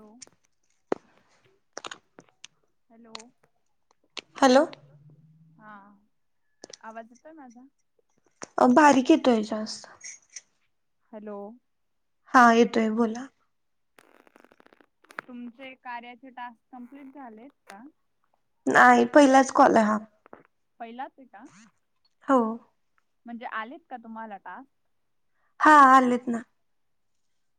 Hello. Hello, hello. हा, आवाज येतोय माझा? बारीक येतोय जास्त. हॅलो. हा येतोय. तुमचे कार्याचे टास्क कंप्लीट झालेत का? नाही पहिलाच कॉल आहे हा. पहिलाच आहे का? म्हणजे आलेत का तुम्हाला टास्क? हा आलेत ना.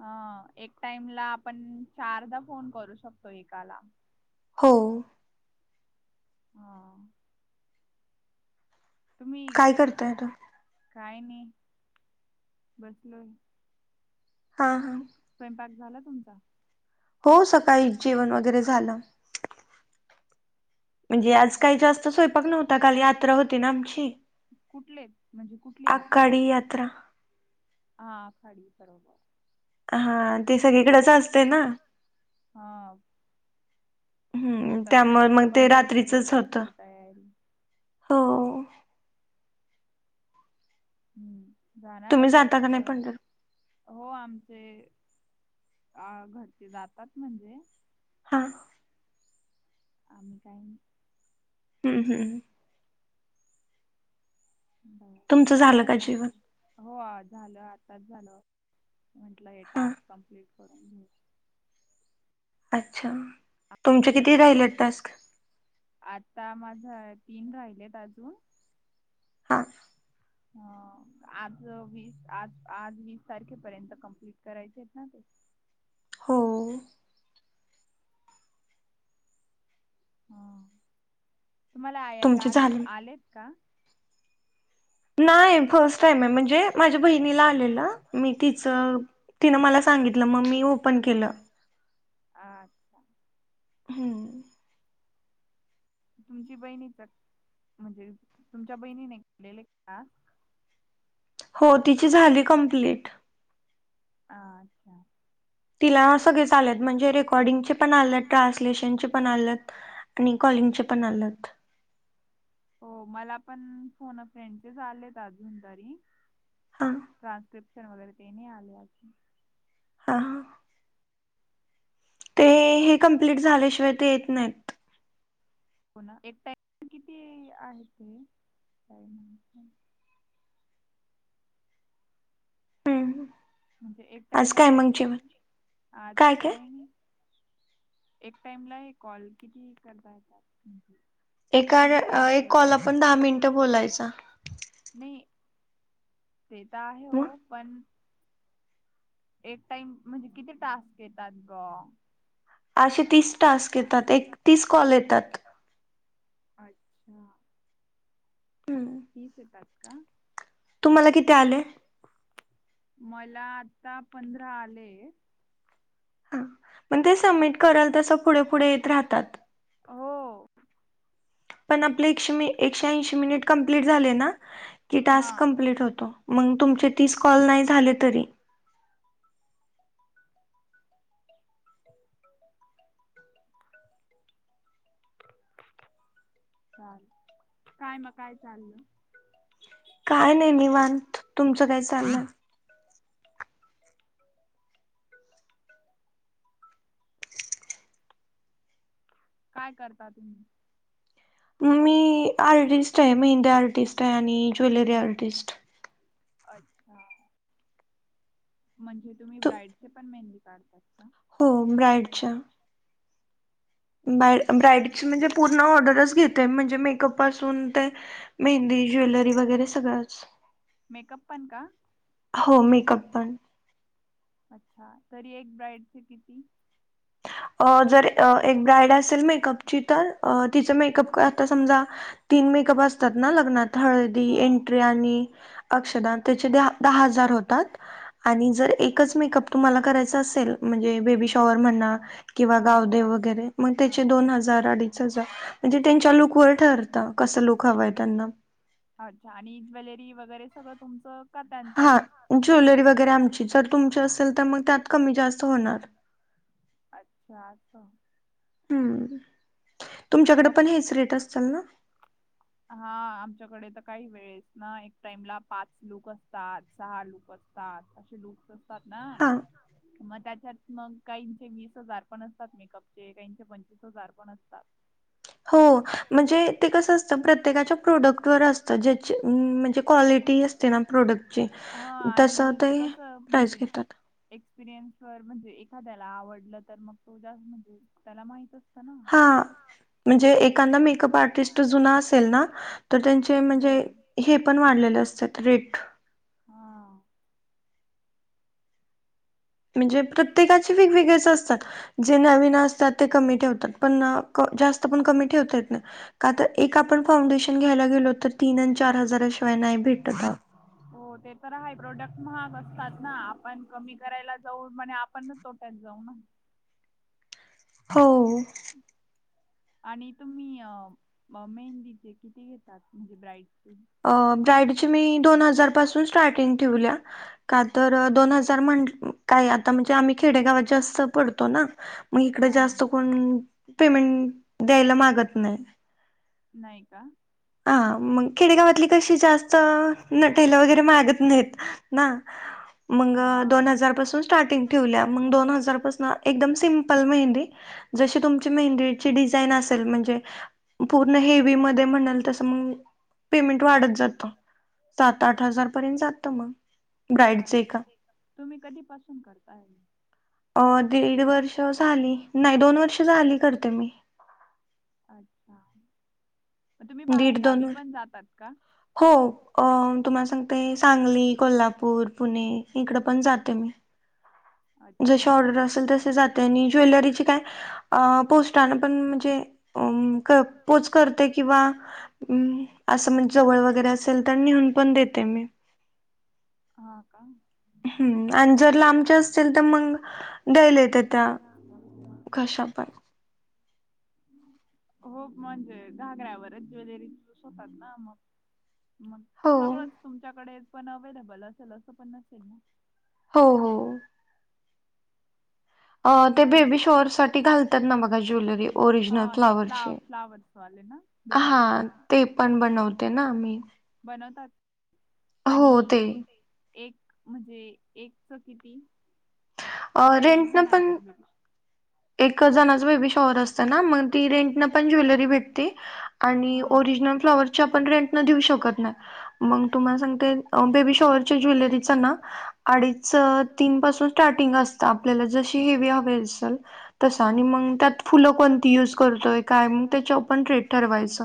हा एक टाईमला आपण चारदा फोन करू शकतो एकाला. हो. हा. काय करताय तू? काय नाही बसलोय. हा हा. स्वयंपाक झाला तुमचा? हो सकाळी जेवण वगैरे झालं. म्हणजे आज काही जास्त स्वयंपाक नव्हता, काल यात्रा होती ना आमची. म्हणजे कुठली यात्रा? हा खाडी खरोब. हा. आता सगळे पंढरपूरला जायची तयारी. हम्म जाणारेत वाटत. हो आमचे आ घरचे जातात म्हणजे. हा. आम्ही काही नाई. हम्म हम् हम. हो काय स्वयंपाक? [unintelligible] हो झालं आताच झालं. म्हंटलं हे टास्क कम्प्लीट करून घेऊ. अच्छा, तुमचे किती राहिलत टास्क? आता माझा तीन राहिलेत अजून. हा. ह आज वीस, आज आज वीस तारखेपर्यंत कंप्लीट करायचे आहेत ना ते? हो. तुम्हाला याच्या आधी आलेत का? नाही, फर्स्ट टाईम आहे म्हणजे माझ्या बहिणीला आलेलं मी तिचं तिनं मला सांगितलं मग मी ओपन केलं. आ. हम्म. तुमची बहिणीच म्हणजे तुमच्या बहिणीने घेतलेले का टास्क? हो तिची झाली कंप्लीट. अ अच्छा. तिला सगळेच आलेत म्हणजे रेकॉर्डिंगचे पण आलेत, ट्रान्सलेशनचे पण आलआलेत आणि कॉलिंग चे पण आलेत. हो मला पण फोन अ फ्रेंडचेच आलेत आजून तरी हां. ट्रान्स्क्रिप्शन वगैरे ते नाही आले आजुन. हा हा. ते हे कंप्लीट झाल्याशिवाय ते येत नाहीत. हो ना? एक टाइम किती आहे ते? [unintelligible] म्हणजे एक टाइम ला किती? आज काय? एक टाइमला हे कॉल किती करता येतात म्हणजे? एकाला एक कॉल आपण दहा मिनिटं बोलायचा. नाही ते तर आहे हो पण एक टाइम म्हणजे किती टास्क येतात ग? असे तीस टास्क येतात. एक, तीस कॉल येतात. अच्छा. हं. तीस येतात का? तुम्हाला किती आले? मला आता पंधरा आले हा मग ते सबमिट कराल तसं पुढे पुढे येत राहतात. [unintelligible] पण आपले एकशे ऐंशी मिनिट कंम्प्लीट झाले ना की टास्क कंम्प्लीट होतो. मग तुमचे तीस कॉल नाही झाले तरी ब ब [inaudible] [unintelligible] चाल काय मग काय चाललं? [unintelligible] काय नाही निवांत, तुमचं काय चाललं काय करता तुम्ही, मी आर्टिस्ट आहे. मेहंदी आर्टिस्ट आहे आणि ज्वेलरी आर्टिस्ट अच्छा [unintelligible] म्हणजे तुम्ही ब्राईडचे पण मेहंदी काढतात का हो ब्राईडच्या ब्राईडची म्हणजे पूर्ण ऑर्डरच घेते म्हणजे मेकअप पासून ते मेहंदी, ज्वेलरी वगैरे सगळंच. मेकअप पण का हो मेकअप पण अच्छा तरी एक ब्राईडचे किती अ जर एक ब्राईड, असेल मेकअपची तर तिचं मेकअप आता समजा तीन मेकअप असतात ना लग्नात हळदी, एंट्री, आणि अक्षदा, त्याचे दहा हजार होतात. आणि जर एकच मेकअप तुम्हाला करायच असेल म्हणजे बेबी शॉवर म्हणा किंवा गावदेव वगैरे मग त्याचे दोन हजार, अडीच हजार म्हणजे त्यांच्या लूकवर ठरतं कसं लूक हवं आहे त्यांना अच्छा आणि ज्वेलरी वगैरे सगळं तुमचं हा ज्वेलरी वगैरे आमची जर तुमची असेल तर मग त्यात कमी जास्त होणार. अच्छा, अस हं, तुमच्याकडे पण हेच रेट असतील ना हा आमच्याकडे तर काही वेळेस ना एक टाई- मला पाच लूक असतात, सहा लूक असतात. सात असे लूक असतात ना.. मग त्याच्यात मग काहींचे वीस हजार पण असतात, मेकअपचे काहींचे पंचवीस हजार पण असतात. [inaudible] [unintelligible] हो म्हणजे.. ते कसं असतं प्रत्येकाच्या प्रोडक्टवर असतं जे म्हणजे क्वालिटी असते ना प्रोडक्ट तस ते प्राईज घेतात एक्सपिरियन्स, वर म्हणजे एखाद्याला आवडलं तर मग तो जास्त म्हणजे त्याला माहित असतं ना हा म्हणजे एखादा, मेकअप आर्टिस्ट जुना असेल ना तर त्यांचे म्हणजे हे पण वाढलेले असतात रेट हा म्हणजे प्रत्येकाचे वेगवेगळेच असतात. जे नवीन असतात ते कमी ठेवतात. पण जास्त पण कमी ठेवता येत नाही. का तर, एक आपण फाउंडेशन घ्यायला गेलो तर तीन आणि चार हजारा शिवाय नाही भेटत. हो ते तर आहे प्रोडक्ट महाग असतात ना आपण कमी करायला जाऊ म्हणे.. पण तोट्यात जाऊ ना. हो, आणि तुम्ही मेहंदीचे किती घेतात. म्हणजे प्राईज अ प्राईज मी दोन हजार पासून स्टार्टिंग ठेवल्या का तर दोन हजार म्हटल काय आता म्हणजे आम्ही खेडेगावात जास्त पडतो ना.. मग इकड जास्त कोण पेमेंट द्यायला मागत नाही. नाही का. हा मग खेडेगावातली कशी जास्त नटायला वगैरे मागत नाहीत ना. मग दोन हजार पासून स्टार्टिंग ठेवल्या मग दोन हजारपासून एकदम सिम्पल मेहंदी जशी तुमची मेहंदीची डिझाईन असेल. म्हणजे, पूर्ण हेवी मध्ये म्हणल तसं म पेमेंट वाढत जातं. सात-आठ हजार पर्यंत जात मग. आता एक. तुम्ही कधीपासून करताय? अ दीड वर्ष झाली नाही. दोन वर्ष झाली करते मी. अच्छा. मगं तुम्ही बाहेरगावी पण जातात का? हो. तुम्हाला सांगते सांगली, कोल्हापूर, पुणे, इकडं पण जाते मी. जशी ऑर्डर असेल तसे जाते. आणि ज्वेलरीची काय पोस्टान पण म्हणजे, अ. पोच करते किंवा हम्. असं म्हणजे जवळ वगैरे असेल तर नेऊन पण देते मी. हा का. हम् आणि जर लांबचे असतील तर मग, दयायला येतात त्या. कशा [unintelligible] हो म्हणजे, घागऱ्यावरच ज्वेलरी शोभतात ना. मग मग सगळंच, तुमच्याकडे पण अवेलेबल असेल असं पण नसेल ना. हो, हो. ते बेबी शॉवर साठी घालतात ना बघा ज्वेलरी ओरिजनल फ्लावरची. हा ते पण बनवते ना मी. बनवतात. आणि हो तेच. एक म्हणजे एकच किती? आता एक जनांचं बेबी एकच जनाच बेबी शॉवर असतं ना. मग ती रेंटने पण ज्वेलरी भेटते. आणि ओरिजनल फ्लॉवरची आपण रेंटन देऊ शकत नाही. मग तुम्हाला सांगते बेबी शॉवर च्या ज्वेलरीचा ना अडीच-तीन पासून स्टार्टिंग असत. आपल्याला जशी हेवी हवी असेल. तसं आणि मग त्यात फुलं कोणती युज करतोय. काय मग त्याच्यावर पण रेट ठरवायचं.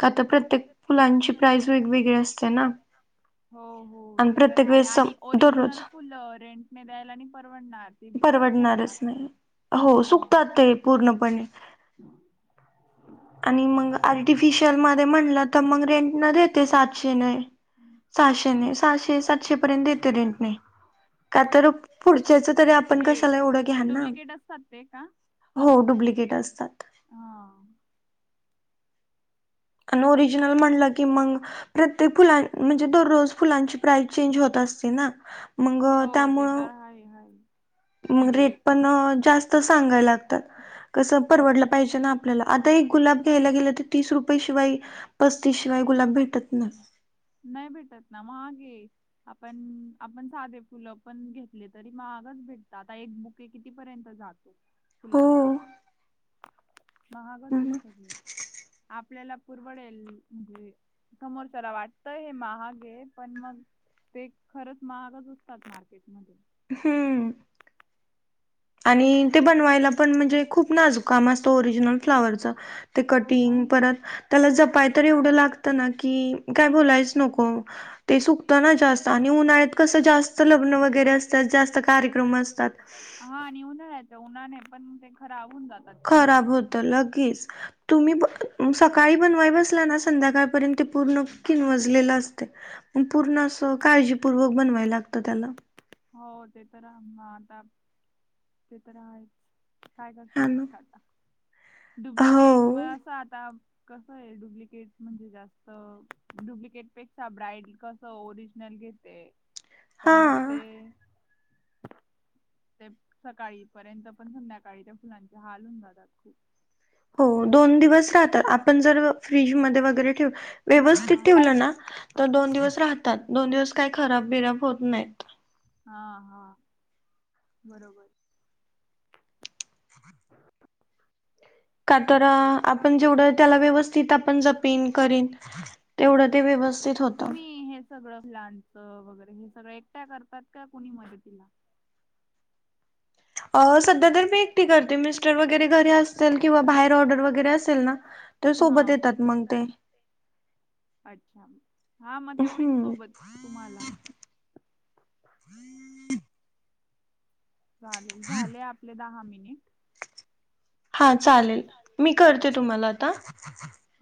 का तर प्रत्येक फुलांची प्राईझ वेगवेगळी असते ना. हो हो ते तर आहे. आणि ओरिजनल फुलं रेंटने द्यायला नाही परवडणार. ते विकतच घ्यावे लागतील. हो सुकतात ते पूर्णपणे. ह. आणि मग आर्टिफिशियल मध्ये म्हणलं तर मग रेंटन देते सातशे ने. सहाशेने, सहाशे, सातशे, पर्यंत देते रेंटने. का तर पुढच्याच तरी आपण कशाला एवढं घ्या. डुबलीकेट असतात ते का. हो डुबलीकेट असतात. हा. आणि ओरिजिनल म्हणलं की मग, प्रत्येक फुला म्हणजे दररोज फुलांची प्राईज चेंज होत असते ना. मग त्यामुळं, कायं येणारं आहे मं रेट पणं जास्तं सांगाय लागतातं कसं परवडलं पाहिजे नां आपल्यांला आंता एक गुलाब घ्यांयला गेलं तरं तीस रुपये शिवायं पस्तीस शिवायं गुलाब भेटतं नां नाहीं भेटतं नां महांग है आपणं आपणं साधे फुलं पणं घेतले तरी महांगचं भेटतं आंता एक कितीपर्यंत जातो फुलांचा महांगचं आहेत सगळें आपल्यांला पुरवडेल म्हणजे समोरच्यांला वाटतंय हे महागे पणं मंग ते खरंच महांगचं असतांत मार्केट मध्यें हम्मं आणि ते बनवांयलां पणं म्हणजे खूंप नाजूंक कामं असतं ओरिजिनल फ्लॉवरचं ते कटिंग परंत त्यांला जपांय तरं एवढं लागतं नां की कायं बोलायचं नको ते सुकतं नां जास्तं आणि उन्हाळ्यांत कसं जास्तं लग्नं वगैरें असतं जास्तं कार्यक्रम असतांत हां आणि उन्हाळ्यांच उन्हांळ पणं ते खरां होनं जातं खरांब होतं लगेचं तुम्हीं सकाळीं बनवायचं बसलां नां संध्याकांळपर्यंत ते पूर्ण किन वाजतां असं पूर्ण असं काळजीपूर्वक बनवां लागतं त्यांला हो ते तरं आं आंता ते तरं आहे कायं करतं मं आंता डुप्लिकेट मंग असं आंता कसं आहे डुप्लिकेट म्हणजे जास्तं डुप्लिकेट पेक्षां ब्राईड कसं ओरिजनल घेतं ते पणं मंग ते ते सकाळीं पर्यंत पणं संध्याकांळीच्या फुलांचे हालं होऊन जातांत खूंप हो दोन दिवसं राहतांत आपणं जरं फ्रीजमध्यें वगैरें ठेव व्यवस्थित ठेवलं नां तरं दोन दिवसं राहतांत दोन दिवसं कांहीं खरांब बिरांब होतं नाहींत हां हां बरोबर हं कातरां आपणं जेवढं त्यांला व्यवस्थित पणं जपनं करीन तेवढं ते व्यवस्थित होतं सगळं फ्लांचं वगैरें हे सगळं एकट्यां करतांत कां कोणी मदतीला संध्या तरं मी एकटी करते मिस्टरं वगैरें घरी असतीलल किंवा बाहेर ऑर्डर वगैरें असेल नां ते सोबतं येतांत मंग ते अच्छा हां मंग तेवढीच सोबतं तुम्हांला. चालेल झाले आपले दहा मिनिटं- हां चालेल मी करते तुम्हांला आंता.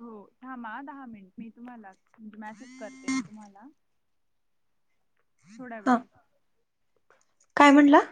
हो थांबा दहा मिनिटं मी तुम्हांला मेसेज करते मी तुम्हांला- थोड्यां वेळांत. कायं म्हणलं.